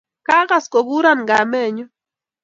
Kagas kokuron kamennyu.